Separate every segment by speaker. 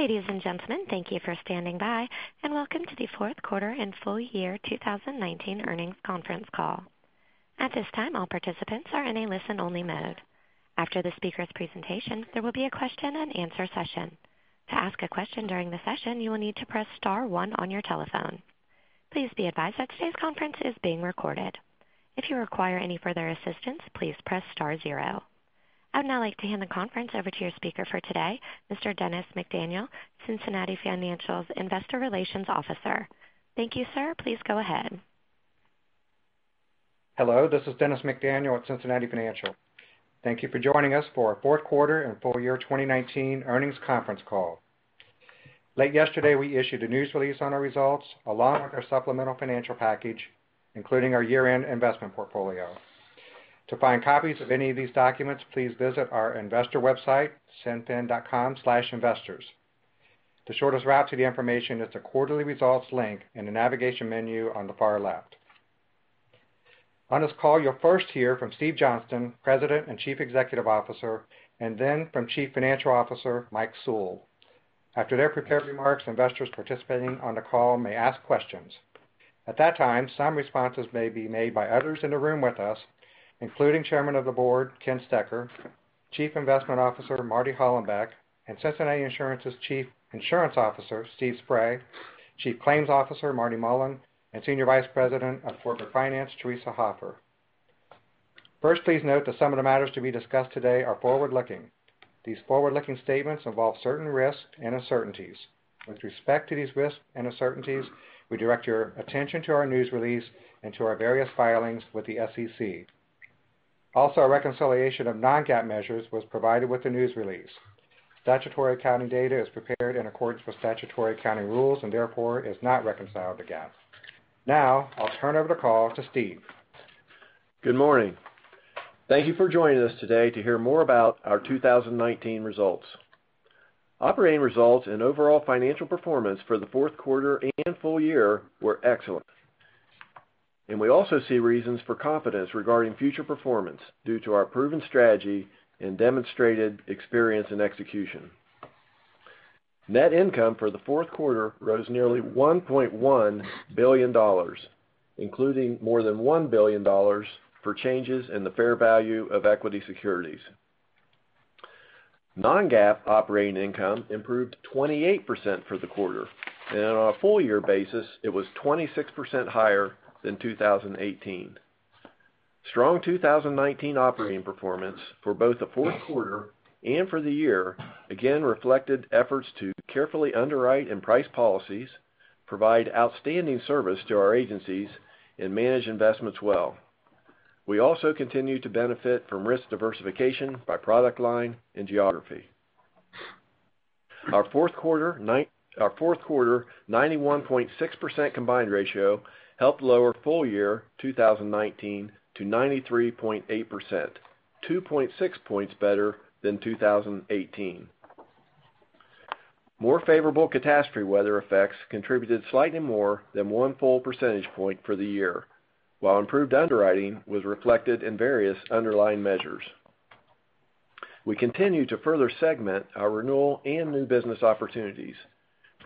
Speaker 1: Ladies and gentlemen, thank you for standing by, and welcome to the fourth quarter and full year 2019 earnings conference call. At this time, all participants are in a listen-only mode. After the speakers' presentation, there will be a question and answer session. To ask a question during the session, you will need to press star 1 on your telephone. Please be advised that today's conference is being recorded. If you require any further assistance, please press star 0. I would now like to hand the conference over to your speaker for today, Mr. Dennis McDaniel, Cincinnati Financial's Investor Relations Officer. Thank you, sir. Please go ahead.
Speaker 2: Hello, this is Dennis McDaniel with Cincinnati Financial. Thank you for joining us for our fourth quarter and full year 2019 earnings conference call. Late yesterday, we issued a news release on our results along with our supplemental financial package, including our year-end investment portfolio. To find copies of any of these documents, please visit our investor website, cinfin.com/investors. The shortest route to the information is the quarterly results link in the navigation menu on the far left. On this call, you'll first hear from Steve Johnston, President and Chief Executive Officer, and then from Chief Financial Officer, Mike Sewell. After their prepared remarks, investors participating on the call may ask questions. At that time, some responses may be made by others in the room with us, including Chairman of the Board, Ken Stecher, Chief Investment Officer, Marty Hollenbeck, and Cincinnati Insurance's Chief Insurance Officer, Steve Spray, Chief Claims Officer, Marty Mullen, and Senior Vice President of Corporate Finance, Theresa Hoffer. First, please note that some of the matters to be discussed today are forward-looking. These forward-looking statements involve certain risks and uncertainties. With respect to these risks and uncertainties, we direct your attention to our news release and to our various filings with the SEC. Also, a reconciliation of non-GAAP measures was provided with the news release. Statutory accounting data is prepared in accordance with statutory accounting rules and therefore is not reconciled to GAAP. Now, I'll turn over the call to Steve.
Speaker 3: Good morning. Thank you for joining us today to hear more about our 2019 results. Operating results and overall financial performance for the fourth quarter and full year were excellent, and we also see reasons for confidence regarding future performance due to our proven strategy and demonstrated experience in execution. Net income for the fourth quarter rose nearly $1.1 billion, including more than $1 billion for changes in the fair value of equity securities. Non-GAAP operating income improved 28% for the quarter, and on a full year basis, it was 26% higher than 2018. Strong 2019 operating performance for both the fourth quarter and for the year again reflected efforts to carefully underwrite and price policies, provide outstanding service to our agencies, and manage investments well. We also continue to benefit from risk diversification by product line and geography. Our fourth quarter 91.6% combined ratio helped lower full year 2019 to 93.8%, 2.6 points better than 2018. More favorable catastrophe weather effects contributed slightly more than one full percentage point for the year, while improved underwriting was reflected in various underlying measures. We continue to further segment our renewal and new business opportunities.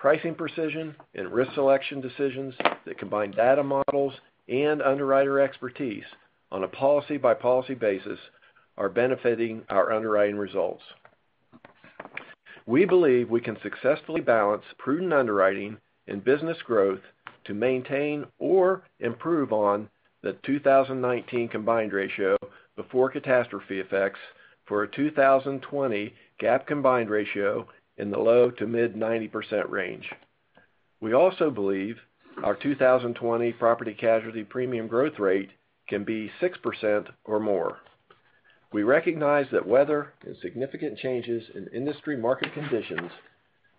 Speaker 3: Pricing precision and risk selection decisions that combine data models and underwriter expertise on a policy-by-policy basis are benefiting our underwriting results. We believe we can successfully balance prudent underwriting and business growth to maintain or improve on the 2019 combined ratio before catastrophe effects for a 2020 GAAP combined ratio in the low to mid 90% range. We also believe our 2020 property casualty premium growth rate can be 6% or more. We recognize that weather and significant changes in industry market conditions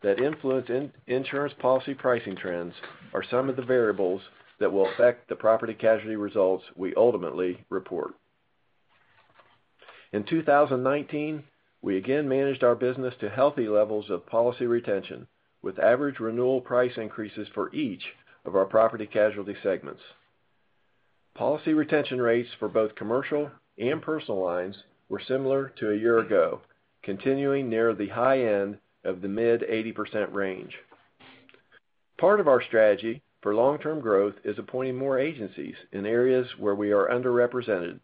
Speaker 3: that influence insurance policy pricing trends are some of the variables that will affect the property casualty results we ultimately report. In 2019, we again managed our business to healthy levels of policy retention with average renewal price increases for each of our property casualty segments. Policy retention rates for both commercial and personal lines were similar to a year ago, continuing near the high end of the mid 80% range. Part of our strategy for long-term growth is appointing more agencies in areas where we are underrepresented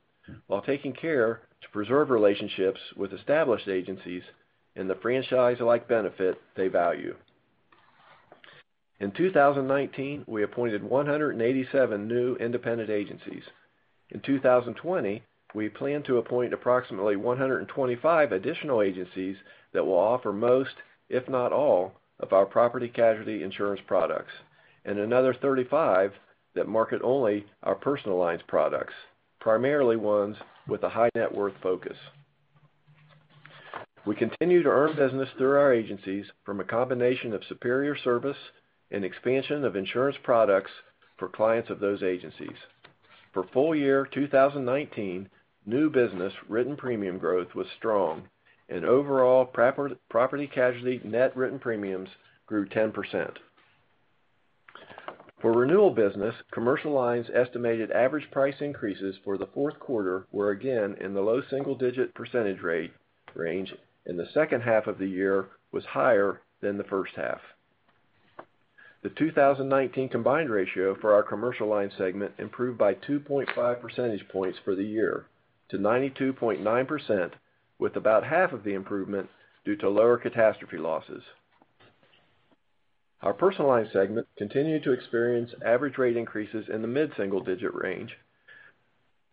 Speaker 3: while taking care to preserve relationships with established agencies and the franchise-like benefit they value. In 2019, we appointed 187 new independent agencies. In 2020, we plan to appoint approximately 125 additional agencies that will offer most, if not all, of our property casualty insurance products, and another 35 that market only our personal lines products, primarily ones with a high net worth focus. We continue to earn business through our agencies from a combination of superior service and expansion of insurance products for clients of those agencies. For full year 2019, new business written premium growth was strong and overall property casualty net written premiums grew 10%. For renewal business, Commercial Lines estimated average price increases for the fourth quarter were again in the low single-digit percentage rate range, and the second half of the year was higher than the first half. The 2019 combined ratio for our Commercial Lines segment improved by 2.5 percentage points for the year to 92.9%, with about half of the improvement due to lower catastrophe losses. Our Personal Lines segment continued to experience average rate increases in the mid-single digit range,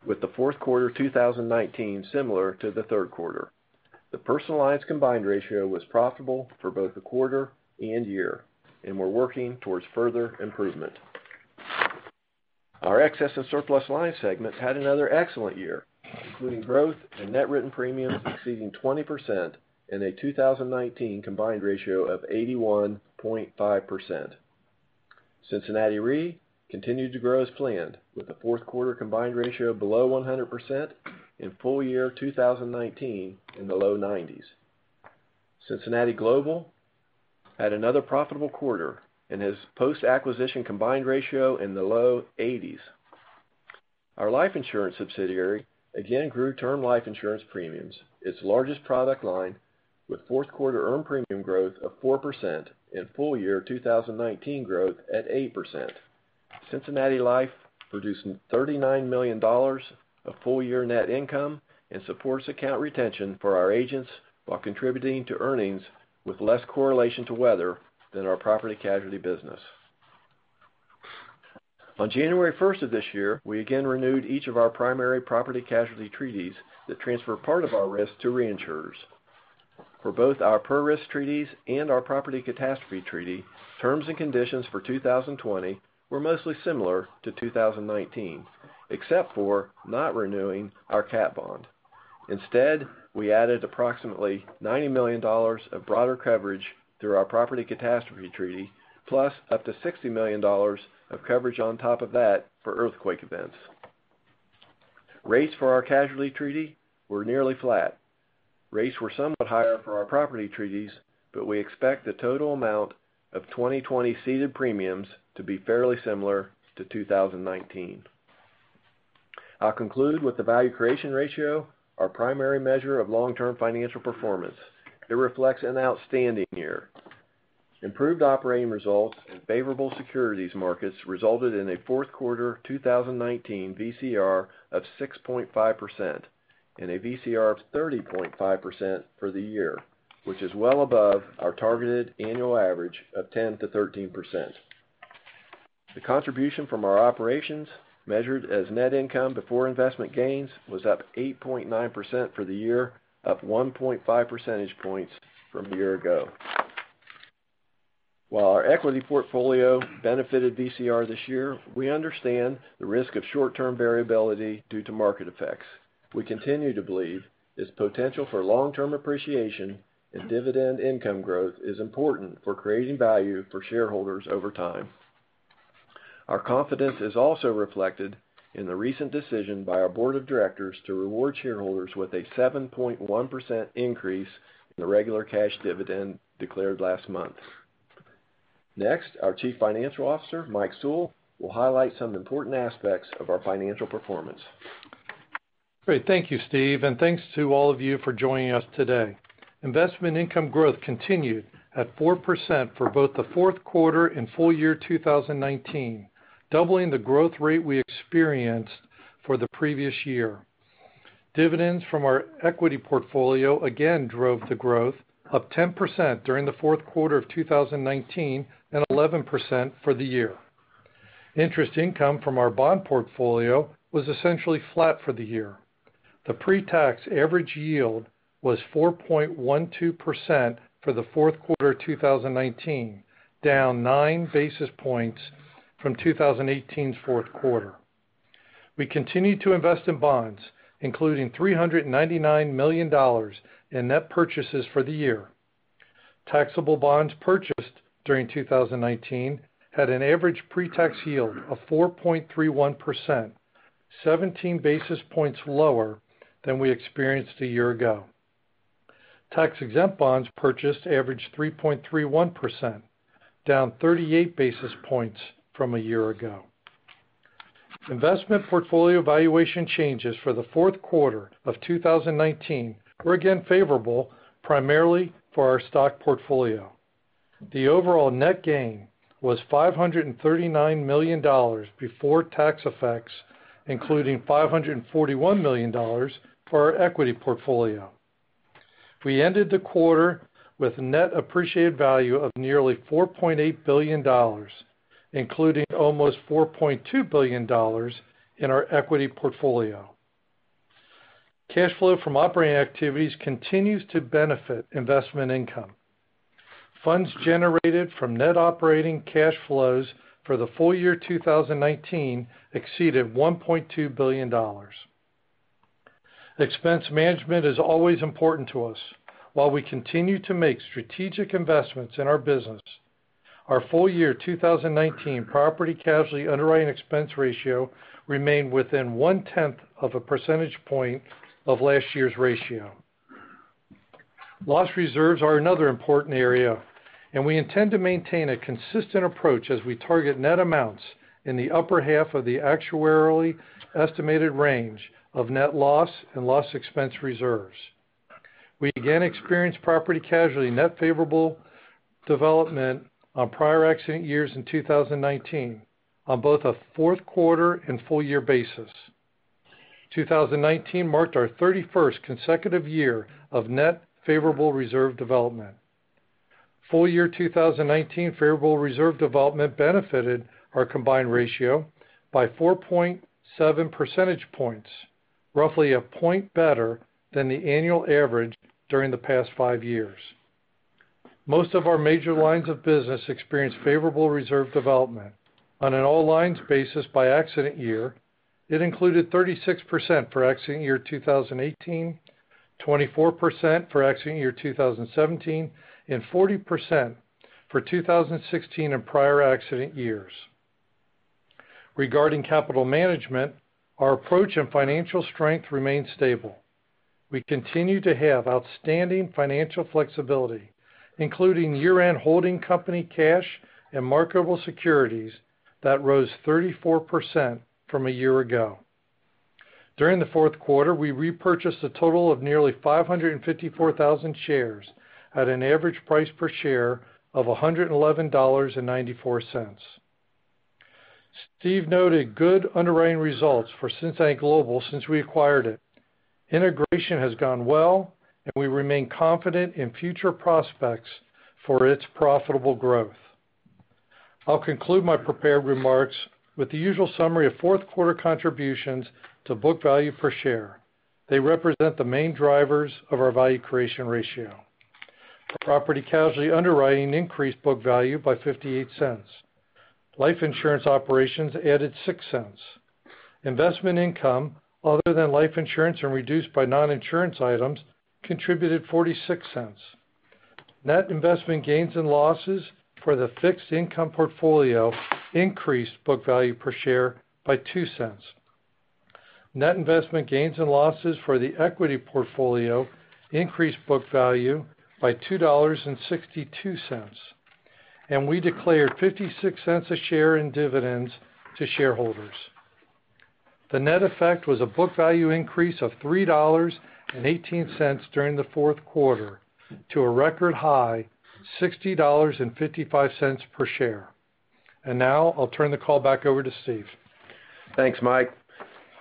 Speaker 3: with the fourth quarter 2019 similar to the third quarter. The Personal Lines combined ratio was profitable for both the quarter and year, and we're working towards further improvement. Our Excess and Surplus Lines segments had another excellent year, including growth in net written premiums exceeding 20% and a 2019 combined ratio of 81.5%. Cincinnati Re continued to grow as planned, with the fourth quarter combined ratio below 100% in full year 2019 in the low 90s. Cincinnati Global had another profitable quarter and has post-acquisition combined ratio in the low 80s. Our life insurance subsidiary again grew term life insurance premiums, its largest product line, with fourth quarter earned premium growth of 4% and full year 2019 growth at 8%. Cincinnati Life produced $39 million of full year net income and supports account retention for our agents while contributing to earnings with less correlation to weather than our property casualty business. On January 1st of this year, we again renewed each of our primary property casualty treaties that transfer part of our risk to reinsurers. For both our per-risk treaties and our property catastrophe treaty, terms and conditions for 2020 were mostly similar to 2019, except for not renewing our cat bond. Instead, we added approximately $90 million of broader coverage through our property catastrophe treaty, plus up to $60 million of coverage on top of that for earthquake events. Rates for our casualty treaty were nearly flat. Rates were somewhat higher for our property treaties, but we expect the total amount of 2020 ceded premiums to be fairly similar to 2019. I'll conclude with the value creation ratio, our primary measure of long-term financial performance. It reflects an outstanding year. Improved operating results and favorable securities markets resulted in a fourth quarter 2019 VCR of 6.5% and a VCR of 30.5% for the year, which is well above our targeted annual average of 10%-13%. The contribution from our operations, measured as net income before investment gains, was up 8.9% for the year, up 1.5 percentage points from a year ago. While our equity portfolio benefited VCR this year, we understand the risk of short-term variability due to market effects. We continue to believe its potential for long-term appreciation and dividend income growth is important for creating value for shareholders over time. Our confidence is also reflected in the recent decision by our board of directors to reward shareholders with a 7.1% increase in the regular cash dividend declared last month. Next, our Chief Financial Officer, Mike Sewell, will highlight some important aspects of our financial performance.
Speaker 4: Great. Thank you, Steve, and thanks to all of you for joining us today. Investment income growth continued at 4% for both the fourth quarter and full year 2019, doubling the growth rate we experienced for the previous year. Dividends from our equity portfolio again drove the growth up 10% during the fourth quarter of 2019 and 11% for the year. Interest income from our bond portfolio was essentially flat for the year. The pre-tax average yield was 4.12% for the fourth quarter 2019, down nine basis points from 2018's fourth quarter. We continued to invest in bonds, including $399 million in net purchases for the year. Taxable bonds purchased during 2019 had an average pre-tax yield of 4.31%, 17 basis points lower than we experienced a year ago. Tax-exempt bonds purchased averaged 3.31%, down 38 basis points from a year ago. Investment portfolio valuation changes for the fourth quarter of 2019 were again favorable, primarily for our stock portfolio. The overall net gain was $539 million before tax effects, including $541 million for our equity portfolio. We ended the quarter with net appreciated value of nearly $4.8 billion, including almost $4.2 billion in our equity portfolio. Cash flow from operating activities continues to benefit investment income. Funds generated from net operating cash flows for the full year 2019 exceeded $1.2 billion. Expense management is always important to us. While we continue to make strategic investments in our business, our full-year 2019 property casualty underwriting expense ratio remained within one tenth of a percentage point of last year's ratio. Loss reserves are another important area. We intend to maintain a consistent approach as we target net amounts in the upper half of the actuarially estimated range of net loss and loss expense reserves. We again experienced property casualty net favorable development on prior accident years in 2019 on both a fourth quarter and full-year basis. 2019 marked our 31st consecutive year of net favorable reserve development. Full year 2019 favorable reserve development benefited our combined ratio by 4.7 percentage points, roughly a point better than the annual average during the past five years. Most of our major lines of business experienced favorable reserve development. On an all lines basis by accident year, it included 36% for accident year 2018, 24% for accident year 2017, and 40% for 2016 and prior accident years. Regarding capital management, our approach and financial strength remain stable. We continue to have outstanding financial flexibility, including year-end holding company cash and marketable securities that rose 34% from a year ago. During the fourth quarter, we repurchased a total of nearly 554,000 shares at an average price per share of $111.94. Steve noted good underwriting results for Cincinnati Global since we acquired it. Integration has gone well. We remain confident in future prospects for its profitable growth. I'll conclude my prepared remarks with the usual summary of fourth quarter contributions to book value per share. They represent the main drivers of our value creation ratio. Property casualty underwriting increased book value by $0.58. Life insurance operations added $0.56. Investment income other than life insurance and reduced by non-insurance items contributed $0.46. Net investment gains and losses for the fixed income portfolio increased book value per share by $0.02. Net investment gains and losses for the equity portfolio increased book value by $2.62. We declared $0.56 a share in dividends to shareholders. The net effect was a book value increase of $3.18 during the fourth quarter to a record high $60.55 per share. Now I'll turn the call back over to Steve.
Speaker 3: Thanks, Mike.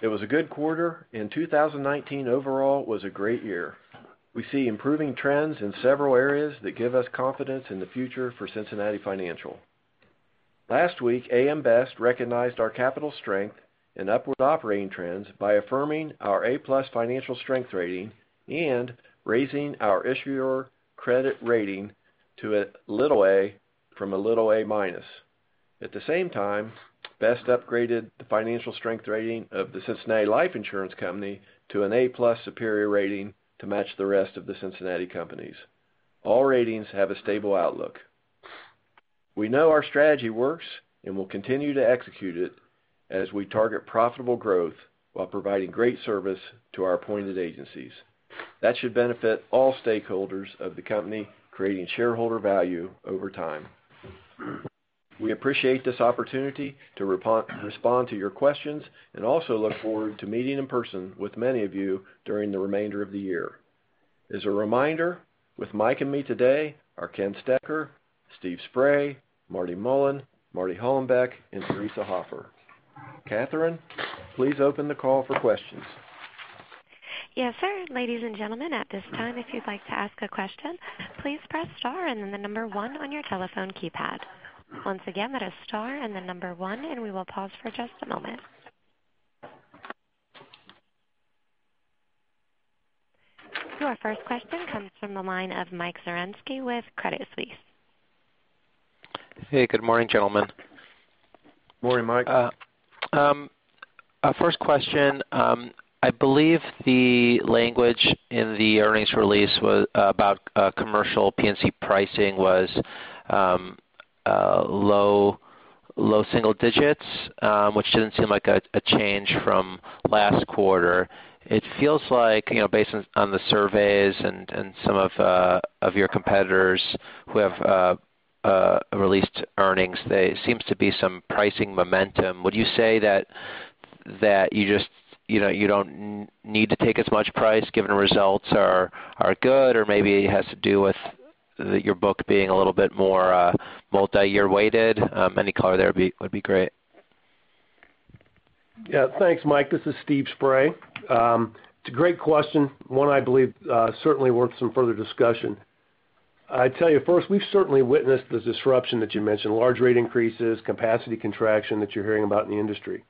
Speaker 3: It was a good quarter, and 2019 overall was a great year. We see improving trends in several areas that give us confidence in the future for Cincinnati Financial. Last week, AM Best recognized our capital strength and upward operating trends by affirming our A+ financial strength rating and raising our issuer credit rating to an A from an A minus. At the same time, Best upgraded the financial strength rating of The Cincinnati Life Insurance Company to an A+ superior rating to match the rest of the Cincinnati companies. All ratings have a stable outlook. We know our strategy works and will continue to execute it as we target profitable growth while providing great service to our appointed agencies. That should benefit all stakeholders of the company, creating shareholder value over time. We appreciate this opportunity to respond to your questions and also look forward to meeting in person with many of you during the remainder of the year. As a reminder, with Mike and me today are Ken Stecher, Steve Spray, Marty Mullen, Marty Hollenbeck, and Theresa Hoffer. Katherine, please open the call for questions.
Speaker 1: Yes, sir. Ladies and gentlemen, at this time, if you'd like to ask a question, please press star and then the number 1 on your telephone keypad. Once again, that is star and then number 1, and we will pause for just a moment. Our first question comes from the line of Mike Zaremski with Credit Suisse.
Speaker 5: Hey, good morning, gentlemen.
Speaker 3: Morning, Mike.
Speaker 5: First question, I believe the language in the earnings release about Commercial P&C pricing was low single digits, which didn't seem like a change from last quarter. It feels like, based on the surveys and some of your competitors who have released earnings, there seems to be some pricing momentum. Would you say that you don't need to take as much price given results are good, or maybe it has to do with your book being a little bit more multi-year weighted? Any color there would be great.
Speaker 6: Yeah. Thanks, Mike. This is Steve Spray. It's a great question, one I believe certainly worth some further discussion. I'd tell you first, we've certainly witnessed the disruption that you mentioned, large rate increases, capacity contraction that you're hearing about in the industry.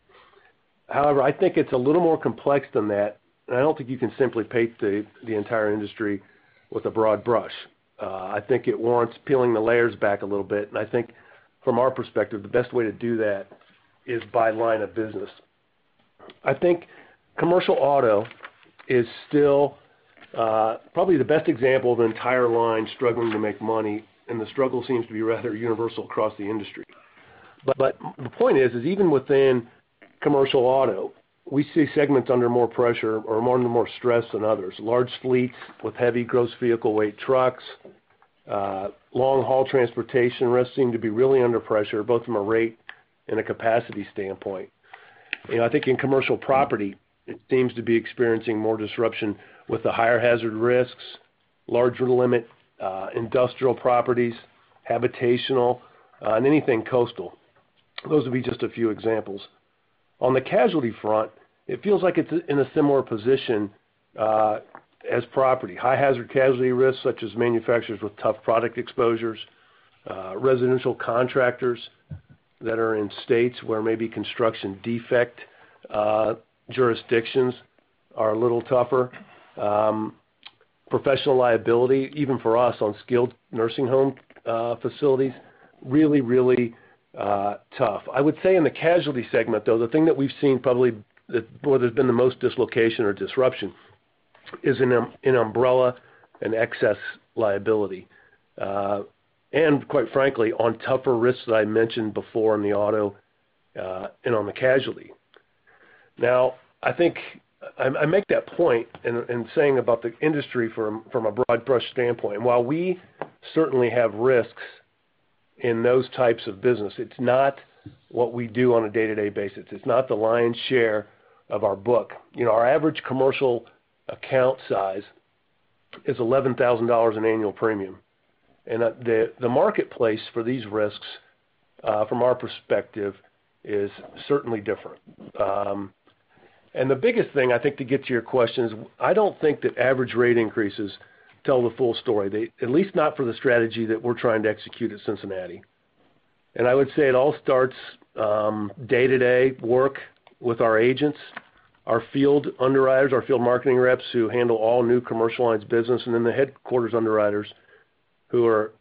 Speaker 6: However, I think it's a little more complex than that, and I don't think you can simply paint the entire industry with a broad brush. I think it warrants peeling the layers back a little bit, and I think from our perspective, the best way to do that is by line of business. I think Commercial auto is still probably the best example of the entire line struggling to make money, and the struggle seems to be rather universal across the industry. The point is even within Commercial auto, we see segments under more pressure or under more stress than others. Large fleets with heavy gross vehicle weight trucks, long-haul transportation risks seem to be really under pressure, both from a rate and a capacity standpoint. I think in Commercial property, it seems to be experiencing more disruption with the higher hazard risks, larger limit industrial properties, habitational, and anything coastal. Those would be just a few examples. On the casualty front, it feels like it's in a similar position as property. High hazard casualty risks such as manufacturers with tough product exposures, residential contractors that are in states where maybe construction defect jurisdictions are a little tougher. Professional liability, even for us on skilled nursing home facilities, really tough. I would say in the casualty segment, though, the thing that we've seen probably that, where there's been the most dislocation or disruption is in umbrella and excess liability. Quite frankly, on tougher risks that I mentioned before in the auto, and on the casualty. Now, I make that point in saying about the industry from a broad brush standpoint. While we certainly have risks in those types of business, it's not what we do on a day-to-day basis. It's not the lion's share of our book. Our average commercial account size is $11,000 in annual premium, and the marketplace for these risks, from our perspective, is certainly different. The biggest thing, I think, to get to your question is, I don't think that average rate increases tell the full story, at least not for the strategy that we're trying to execute at Cincinnati. I would say it all starts day-to-day work with our agents, our field underwriters, our field marketing reps who handle all new Commercial Lines business, then the headquarters underwriters who are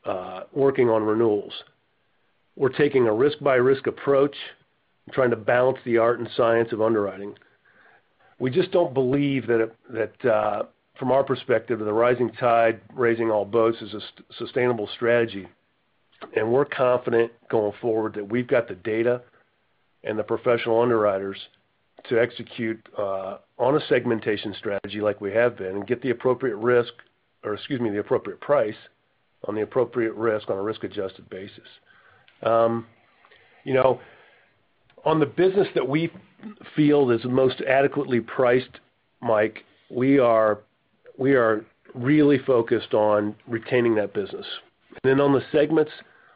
Speaker 6: working on renewals. We're taking a risk-by-risk approach and trying to balance the art and science of underwriting. We just don't believe that from our perspective, that the rising tide raising all boats is a sustainable strategy, and we're confident going forward that we've got the data and the professional underwriters to execute on a segmentation strategy like we have been and get the appropriate price on the appropriate risk on a risk-adjusted basis. On the business that we feel is most adequately priced, Mike, we are really focused on retaining that business. On the segments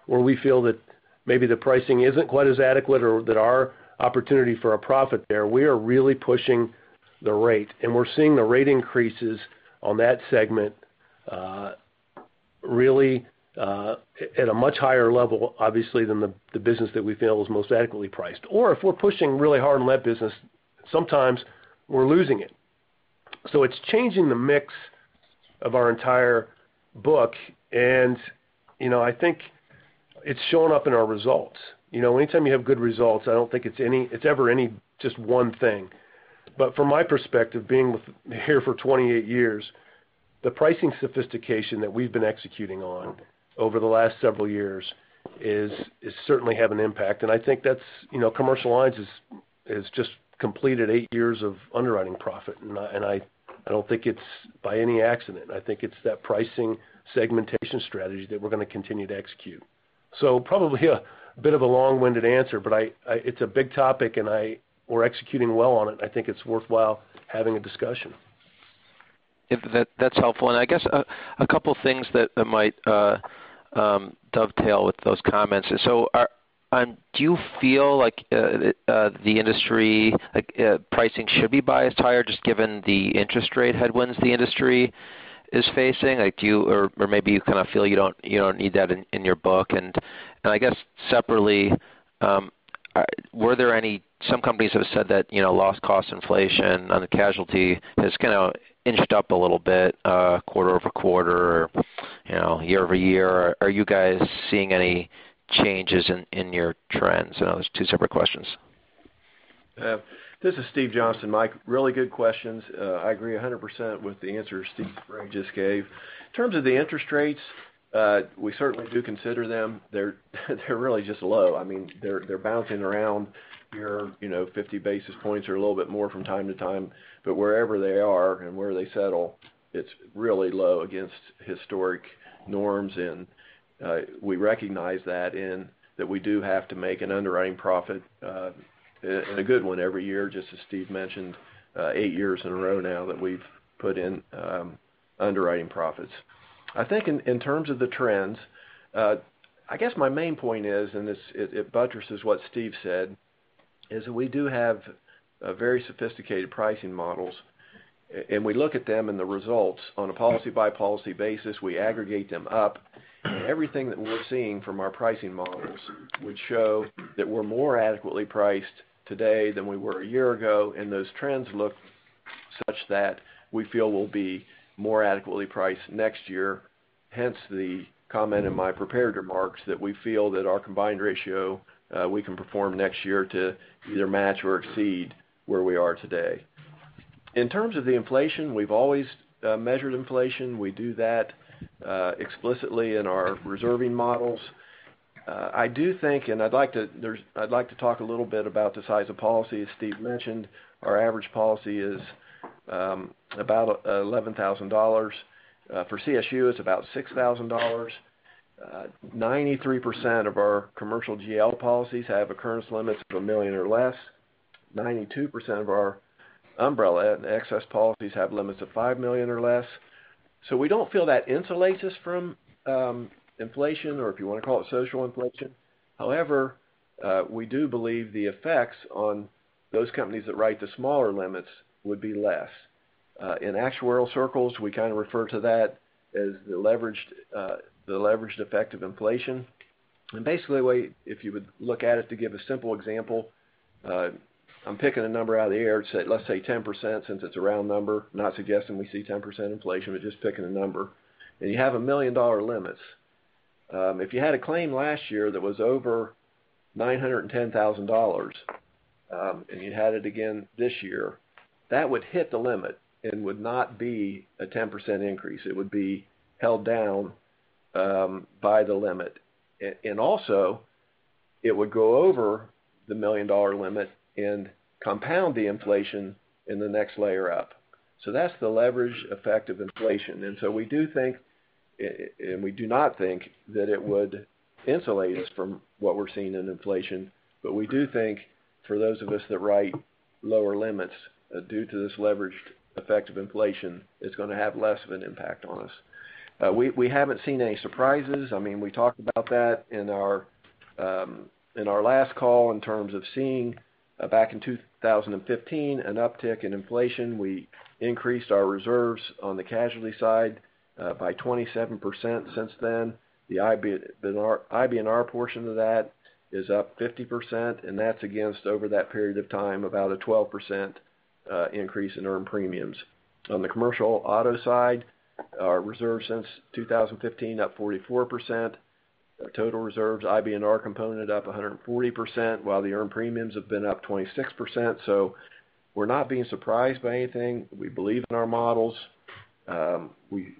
Speaker 6: where we feel that maybe the pricing isn't quite as adequate or that our opportunity for a profit there, we are really pushing the rate, and we're seeing the rate increases on that segment really at a much higher level, obviously, than the business that we feel is most adequately priced. If we're pushing really hard on that business, sometimes we're losing it. It's changing the mix of our entire book, and I think it's showing up in our results. Anytime you have good results, I don't think it's ever any just one thing. From my perspective, being here for 28 years, the pricing sophistication that we've been executing on over the last several years is certainly having an impact, and I think that's Commercial Lines has just completed eight years of underwriting profit, and I don't think it's by any accident. I think it's that pricing segmentation strategy that we're going to continue to execute. Probably a bit of a long-winded answer, but it's a big topic and we're executing well on it. I think it's worthwhile having a discussion.
Speaker 5: That's helpful. I guess a couple things that might dovetail with those comments. Do you feel like the industry pricing should be biased higher just given the interest rate headwinds the industry is facing? Maybe you kind of feel you don't need that in your book? I guess separately, were there any. Some companies have said that loss cost inflation on the casualty has kind of inched up a little bit quarter-over-quarter, year-over-year. Are you guys seeing any changes in your trends? There's two separate questions.
Speaker 3: This is Steve Johnston, Mike. Really good questions. I agree 100% with the answers Steve Spray just gave. In terms of the interest rates, we certainly do consider them. They're really just low. They're bouncing around your 50 basis points or a little bit more from time to time. Wherever they are and where they settle, it's really low against historic norms, and we recognize that and that we do have to make an underwriting profit, and a good one every year, just as Steve mentioned, 8 years in a row now that we've put in underwriting profits. In terms of the trends, I guess my main point is, it buttresses what Steve said, is that we do have very sophisticated pricing models, and we look at them and the results on a policy-by-policy basis. We aggregate them up. Everything that we're seeing from our pricing models would show that we're more adequately priced today than we were a year ago, and those trends look such that we feel we'll be more adequately priced next year. Hence the comment in my prepared remarks that we feel that our combined ratio, we can perform next year to either match or exceed where we are today. In terms of the inflation, we've always measured inflation. We do that explicitly in our reserving models. I do think, I'd like to talk a little bit about the size of policy. As Steve mentioned, our average policy is about $11,000. For CSU, it's about $6,000. 93% of our Commercial GL policies have occurrence limits of $1 million or less. 92% of our umbrella and excess policies have limits of $5 million or less. We don't feel that insulates us from inflation, or if you want to call it social inflation. However, we do believe the effects on those companies that write the smaller limits would be less. In actuarial circles, we kind of refer to that as the leveraged effect of inflation. Basically, the way, if you would look at it to give a simple example, I'm picking a number out of the air. Let's say 10% since it's a round number, not suggesting we see 10% inflation, we're just picking a number, and you have $1 million-dollar limits. If you had a claim last year that was over $910,000, and you had it again this year, that would hit the limit and would not be a 10% increase. It would be held down by the limit. It would go over the million-dollar limit and compound the inflation in the next layer up. That's the leverage effect of inflation. We do not think that it would insulate us from what we're seeing in inflation, but we do think for those of us that write lower limits, due to this leveraged effect of inflation, it's going to have less of an impact on us. We haven't seen any surprises. We talked about that in our last call in terms of seeing back in 2015 an uptick in inflation. We increased our reserves on the casualty side by 27% since then. The IBNR portion of that is up 50%, and that's against over that period of time, about a 12% increase in earned premiums. On the commercial auto side, our reserves since 2015 up 44%. Total reserves, IBNR component up 140%, while the earned premiums have been up 26%. We're not being surprised by anything. We believe in our models. We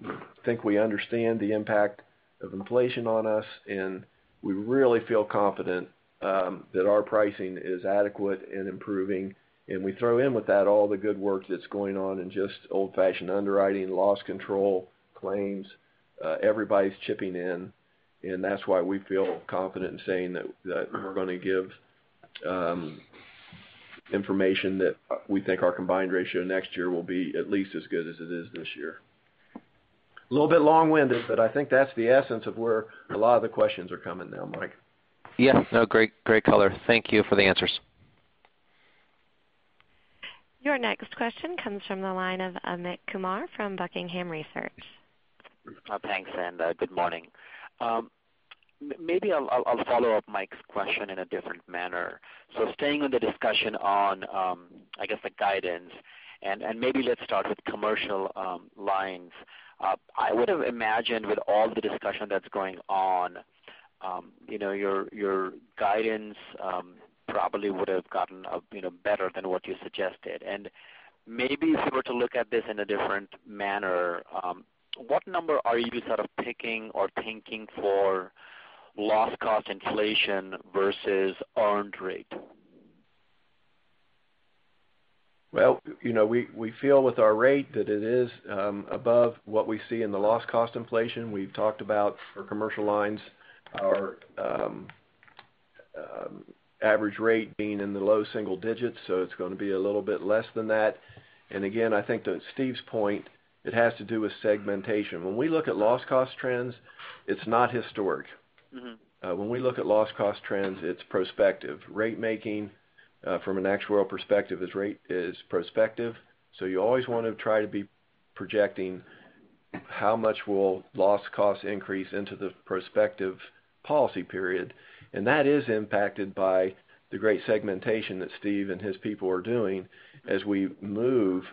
Speaker 3: think we understand the impact of inflation on us, and we really feel confident that our pricing is adequate and improving. We throw in with that all the good work that's going on in just old-fashioned underwriting, loss control, claims. Everybody's chipping in, and that's why we feel confident in saying that we're going to give information that we think our combined ratio next year will be at least as good as it is this year. A little bit long-winded, but I think that's the essence of where a lot of the questions are coming now, Mike.
Speaker 5: Yes. No, great color. Thank you for the answers.
Speaker 1: Your next question comes from the line of Amit Kumar from Buckingham Research.
Speaker 7: Thanks. Good morning. Maybe I'll follow up Mike's question in a different manner. Staying on the discussion on, I guess the guidance, maybe let's start with Commercial Lines. I would've imagined with all the discussion that's going on, your guidance probably would've gotten better than what you suggested. Maybe if you were to look at this in a different manner, what number are you sort of picking or thinking for loss cost inflation versus earned rate?
Speaker 3: Well, we feel with our rate that it is above what we see in the loss cost inflation. We've talked about for Commercial Lines, our average rate being in the low single digits, so it's going to be a little bit less than that. Again, I think to Steve's point, it has to do with segmentation. When we look at loss cost trends, it's not historic. When we look at loss cost trends, it's prospective. Rate making from an actuarial perspective is prospective. You always want to try to be projecting how much will loss cost increase into the prospective policy period, and that is impacted by the great segmentation that Steve and his people are doing as we move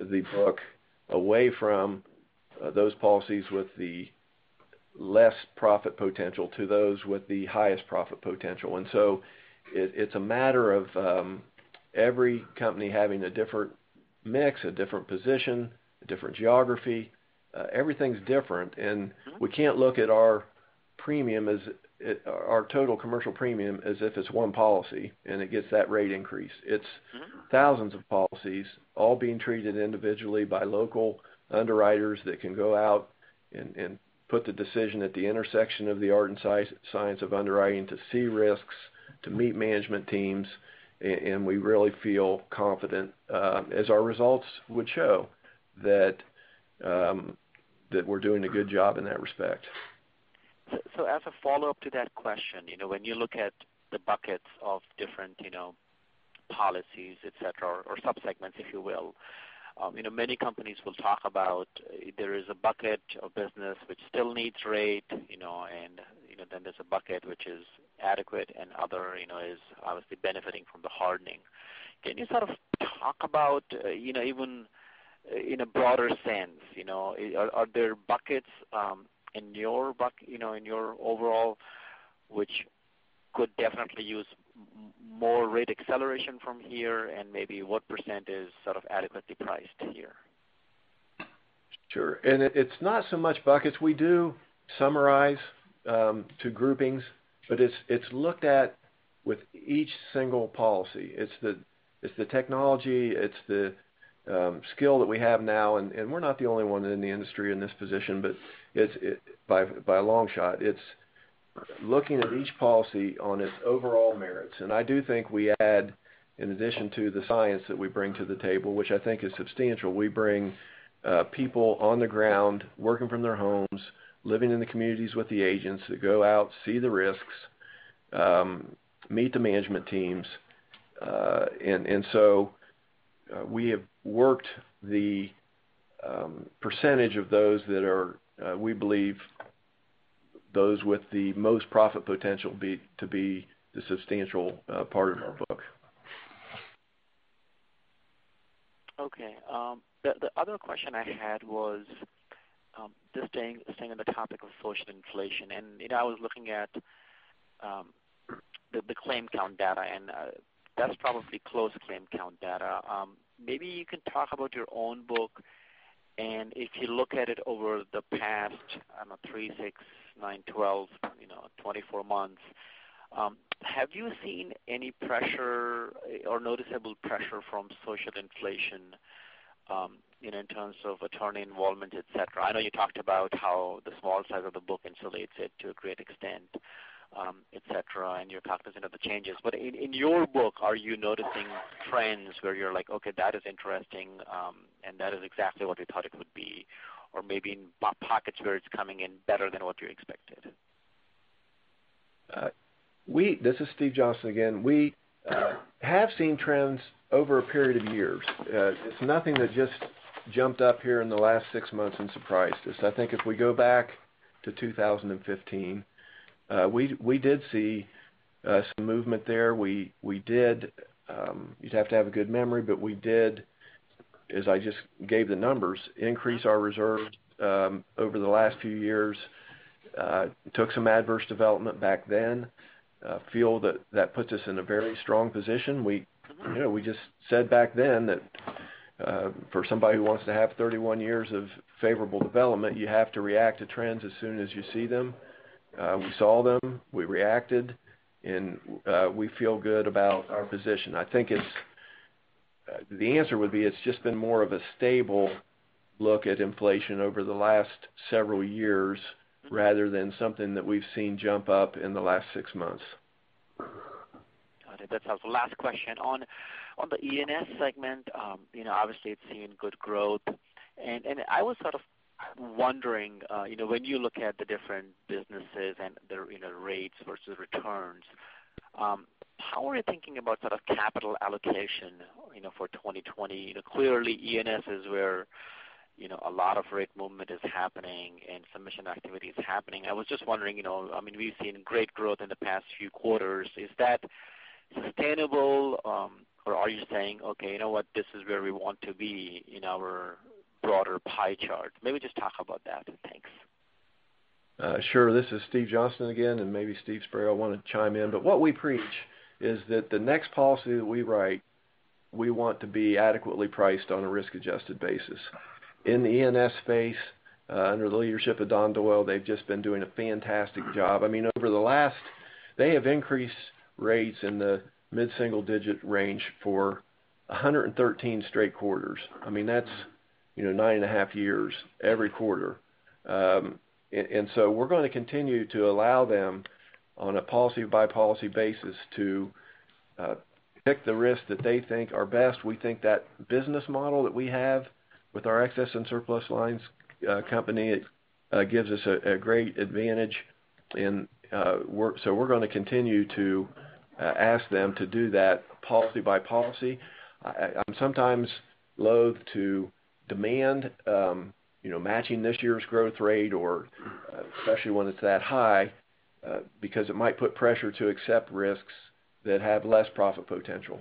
Speaker 3: the book away from those policies with the less profit potential to those with the highest profit potential. It's a matter of every company having a different mix, a different position, a different geography. Everything's different, and we can't look at our total commercial premium as if it's one policy and it gets that rate increase. It's thousands of policies all being treated individually by local underwriters that can go out and put the decision at the intersection of the art and science of underwriting to see risks, to meet management teams, and we really feel confident, as our results would show, that we're doing a good job in that respect.
Speaker 7: As a follow-up to that question, when you look at the buckets of different policies, et cetera, or sub-segments, if you will, many companies will talk about there is a bucket of business which still needs rate, and then there's a bucket which is adequate, and other is obviously benefiting from the hardening. Can you sort of talk about even in a broader sense, are there buckets in your overall which could definitely use more rate acceleration from here, and maybe what % is adequately priced here?
Speaker 3: Sure. It's not so much buckets. We do summarize to groupings, but it's looked at with each single policy. It's the technology, it's the skill that we have now, and we're not the only ones in the industry in this position by a long shot. It's looking at each policy on its overall merits. I do think we add, in addition to the science that we bring to the table, which I think is substantial, we bring people on the ground, working from their homes, living in the communities with the agents, that go out, see the risks, meet the management teams. We have worked the % of those that are, we believe, those with the most profit potential to be the substantial part of our book.
Speaker 7: Okay. The other question I had was, just staying on the topic of social inflation, and I was looking at the claim count data, and that's probably close claim count data. Maybe you can talk about your own book, and if you look at it over the past, I don't know, three, six, nine, 12, 24 months, have you seen any pressure or noticeable pressure from social inflation, in terms of attorney involvement, et cetera? I know you talked about how the small size of the book insulates it to a great extent, et cetera, and you're cognizant of the changes. In your book, are you noticing trends where you're like, "Okay, that is interesting, and that is exactly what we thought it would be," or maybe in pockets where it's coming in better than what you expected?
Speaker 3: This is Steve Johnston again. We have seen trends over a period of years. It's nothing that just jumped up here in the last six months and surprised us. I think if we go back to 2015, we did see some movement there. You'd have to have a good memory, but we did, as I just gave the numbers, increase our reserves over the last few years, took some adverse development back then. Feel that puts us in a very strong position. We just said back then that for somebody who wants to have 31 years of favorable development, you have to react to trends as soon as you see them. We saw them, we reacted, and we feel good about our position. I think the answer would be it's just been more of a stable look at inflation over the last several years, rather than something that we've seen jump up in the last 6 months.
Speaker 7: Got it. That's helpful. Last question on the E&S segment. Obviously it's seeing good growth. I was sort of wondering, when you look at the different businesses and their rates versus returns, how are you thinking about capital allocation for 2020? Clearly E&S is where a lot of rate movement is happening and submission activity is happening. I was just wondering, we've seen great growth in the past few quarters. Is that sustainable? Are you saying, "Okay, you know what? This is where we want to be in our broader pie chart." Maybe just talk about that. Thanks.
Speaker 3: Sure. This is Steve Johnston again, and maybe Steve Spray will want to chime in. What we preach is that the next policy that we write, we want to be adequately priced on a risk-adjusted basis. In the E&S space, under the leadership of Don Doyle, they've just been doing a fantastic job. Over the last, they have increased rates in the mid-single digit range for 113 straight months. That's nine and a half years every quarter. We're going to continue to allow them on a policy-by-policy basis to pick the risks that they think are best. We think that business model that we have with our excess and surplus lines company gives us a great advantage in work. We're going to continue to ask them to do that policy by policy. I'm sometimes loathe to demand matching this year's growth rate or especially when it's that high, because it might put pressure to accept risks that have less profit potential.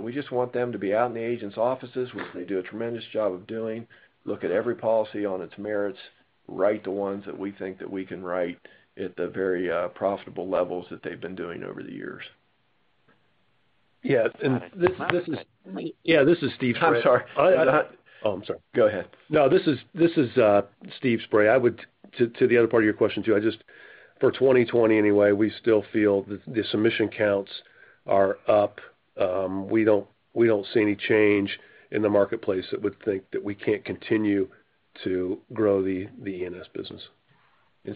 Speaker 3: We just want them to be out in the agents' offices, which they do a tremendous job of doing. Look at every policy on its merits, write the ones that we think that we can write at the very profitable levels that they've been doing over the years. Yeah.
Speaker 6: Last question. This is Steve Spray. I'm sorry. Oh, I'm sorry. Go ahead. This is Steve Spray. To the other part of your question, too. For 2020 anyway, we still feel the submission counts are up. We don't see any change in the marketplace that would think that we can't continue to grow the E&S business.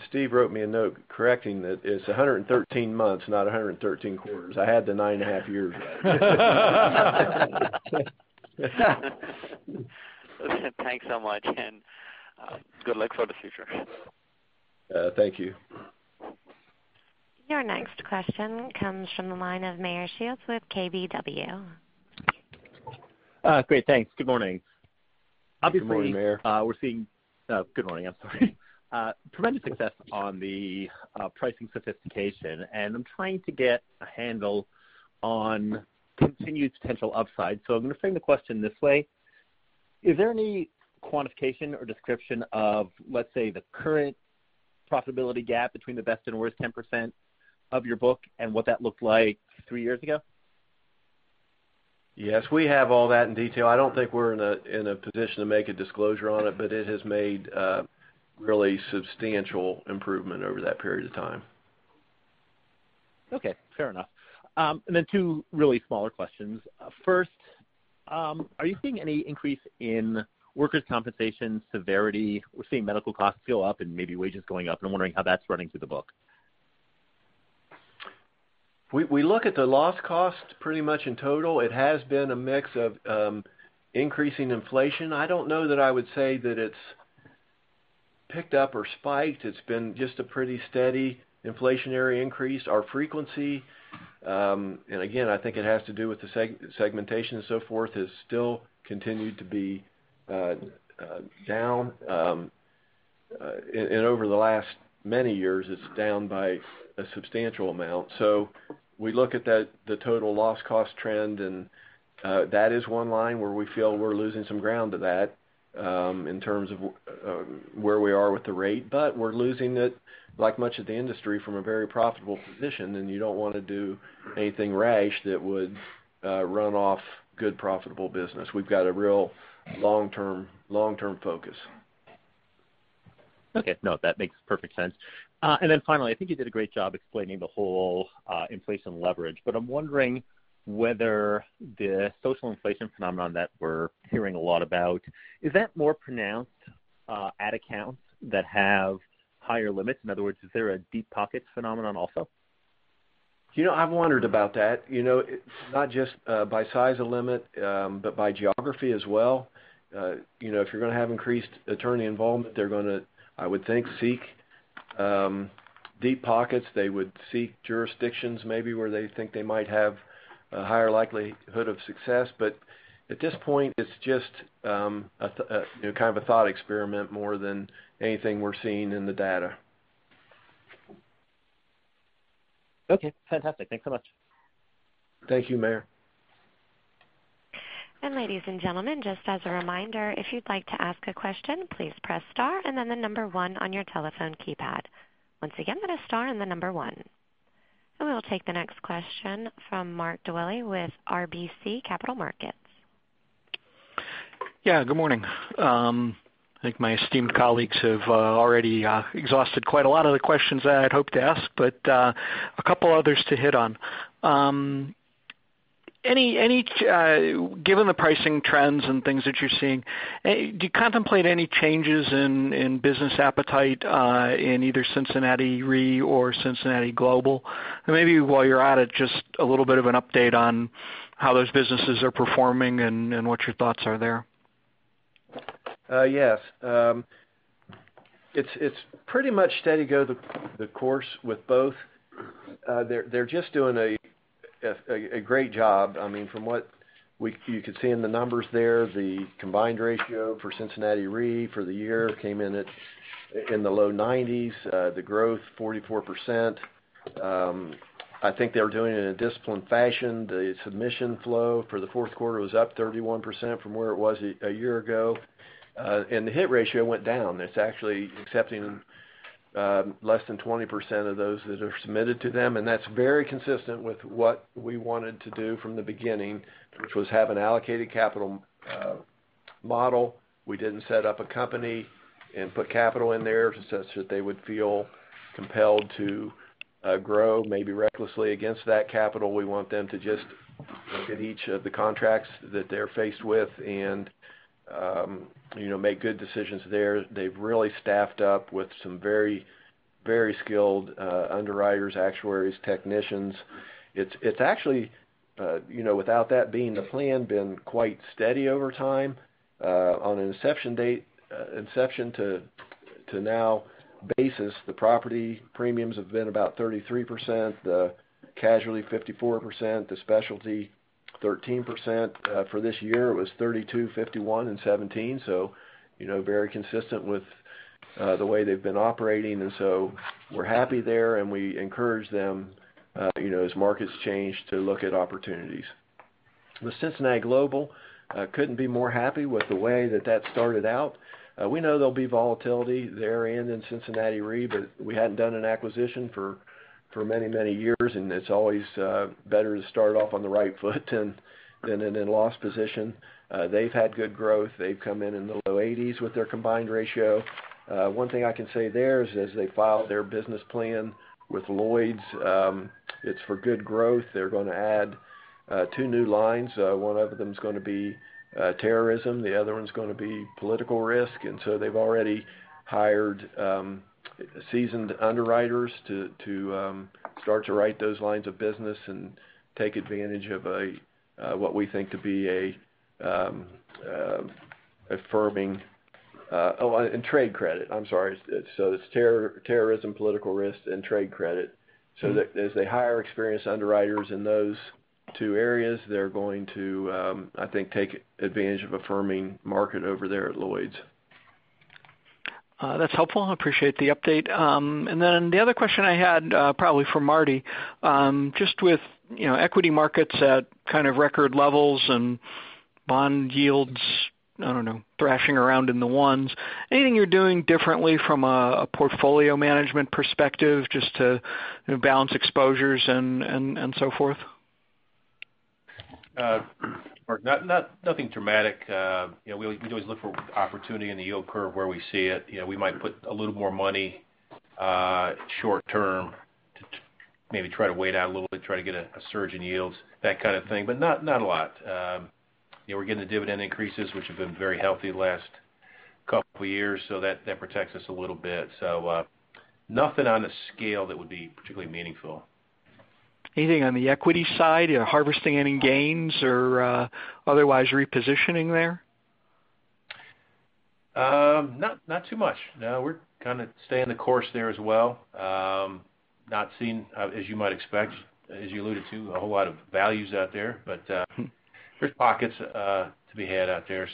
Speaker 6: Steve wrote me a note correcting that it's 113 months, not 113 quarters. I had the nine and a half years right.
Speaker 7: Thanks so much, and good luck for the future.
Speaker 3: Thank you.
Speaker 1: Your next question comes from the line of Meyer Shields with KBW.
Speaker 8: Great, thanks. Good morning.
Speaker 3: Good morning, Meyer.
Speaker 8: Good morning. I'm sorry. Tremendous success on the pricing sophistication, I'm trying to get a handle on continued potential upside. I'm going to frame the question this way. Is there any quantification or description of, let's say, the current profitability gap between the best and worst 10% of your book and what that looked like three years ago?
Speaker 3: Yes, we have all that in detail. I don't think we're in a position to make a disclosure on it. It has made a really substantial improvement over that period of time.
Speaker 8: Okay, fair enough. Two really smaller questions. First, are you seeing any increase in workers' compensation severity? We're seeing medical costs go up and maybe wages going up. I'm wondering how that's running through the book.
Speaker 3: We look at the loss cost pretty much in total. It has been a mix of increasing inflation. I don't know that I would say that it's picked up or spiked. It's been just a pretty steady inflationary increase. Our frequency, and again, I think it has to do with the segmentation and so forth, has still continued to be down. Over the last many years, it's down by a substantial amount. We look at the total loss cost trend, and that is one line where we feel we're losing some ground to that in terms of where we are with the rate. We're losing it, like much of the industry, from a very profitable position, and you don't want to do anything rash that would run off good profitable business. We've got a real long-term focus.
Speaker 8: Okay. No, that makes perfect sense. Finally, I think you did a great job explaining the whole inflation leverage, but I'm wondering whether the social inflation phenomenon that we're hearing a lot about, is that more pronounced at accounts that have higher limits? In other words, is there a deep pockets phenomenon also?
Speaker 3: I've wondered about that. It's not just by size of limit, but by geography as well. If you're going to have increased attorney involvement, they're going to, I would think, seek deep pockets. They would seek jurisdictions maybe where they think they might have a higher likelihood of success. At this point, it's just a thought experiment more than anything we're seeing in the data.
Speaker 8: Okay, fantastic. Thanks so much.
Speaker 3: Thank you, Meyer.
Speaker 1: Ladies and gentlemen, just as a reminder, if you'd like to ask a question, please press star and then the number 1 on your telephone keypad. Once again, that is star and the number 1. We will take the next question from Mark Dwelle with RBC Capital Markets.
Speaker 9: Yeah, good morning. I think my esteemed colleagues have already exhausted quite a lot of the questions that I'd hoped to ask, but a couple others to hit on. Given the pricing trends and things that you're seeing, do you contemplate any changes in business appetite in either Cincinnati Re or Cincinnati Global? Maybe while you're at it, just a little bit of an update on how those businesses are performing and what your thoughts are there.
Speaker 3: Yes. It's pretty much steady go the course with both. They're just doing a great job. From what you could see in the numbers there, the combined ratio for Cincinnati Re for the year came in at in the low 90s, the growth 44%. I think they were doing it in a disciplined fashion. The submission flow for the fourth quarter was up 31% from where it was a year ago. The hit ratio went down. It's actually accepting less than 20% of those that are submitted to them, and that's very consistent with what we wanted to do from the beginning, which was have an allocated capital model. We didn't set up a company and put capital in there such that they would feel compelled to grow maybe recklessly against that capital. We want them to just look at each of the contracts that they're faced with and make good decisions there. They've really staffed up with some very skilled underwriters, actuaries, technicians. It's actually, without that being the plan, been quite steady over time. On an inception to now basis, the property premiums have been about 33%, the casualty 54%, the specialty 13%. For this year, it was 32, 51, and 17. Very consistent with the way they've been operating, we're happy there and we encourage them as markets change to look at opportunities. With Cincinnati Global, couldn't be more happy with the way that that started out. We know there'll be volatility therein in Cincinnati Re, we hadn't done an acquisition for many years, it's always better to start off on the right foot than in a loss position. They've had good growth. They've come in in the low eighties with their combined ratio. One thing I can say there is as they file their business plan with Lloyd's, it's for good growth. They're going to add 2 new lines. One of them is going to be terrorism, the other one's going to be political risk, they've already hired seasoned underwriters to start to write those lines of business and take advantage of what we think to be a firming Oh, and trade credit. I'm sorry. It's terrorism, political risk, and trade credit. As they hire experienced underwriters in those two areas, they're going to, I think, take advantage of a firming market over there at Lloyd's.
Speaker 9: That's helpful. I appreciate the update. Then the other question I had probably for Marty, just with equity markets at kind of record levels and bond yields, I don't know, thrashing around in the ones, anything you're doing differently from a portfolio management perspective just to balance exposures and so forth?
Speaker 10: Mark, nothing dramatic. We always look for opportunity in the yield curve where we see it. We might put a little more money short term to maybe try to wait out a little bit, try to get a surge in yields, that kind of thing, but not a lot. We're getting the dividend increases, which have been very healthy the last couple years, so that protects us a little bit. Nothing on a scale that would be particularly meaningful.
Speaker 9: Anything on the equity side? Harvesting any gains or otherwise repositioning there?
Speaker 10: Not too much. No, we're kind of staying the course there as well. Not seeing, as you might expect, as you alluded to, a whole lot of values out there, but there's pockets to be had out there.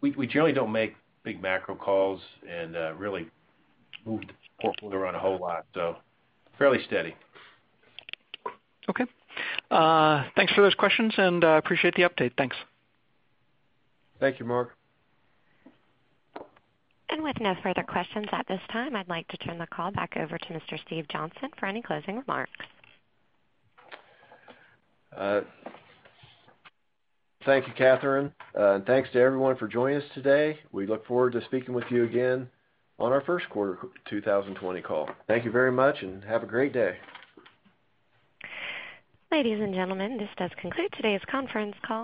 Speaker 10: We generally don't make big macro calls and really move the portfolio around a whole lot, so fairly steady.
Speaker 9: Okay. Thanks for those questions, and I appreciate the update. Thanks.
Speaker 3: Thank you, Mark.
Speaker 1: With no further questions at this time, I'd like to turn the call back over to Mr. Steve Johnston for any closing remarks.
Speaker 3: Thank you, Katherine. Thanks to everyone for joining us today. We look forward to speaking with you again on our first quarter 2020 call. Thank you very much, and have a great day.
Speaker 1: Ladies and gentlemen, this does conclude today's conference call.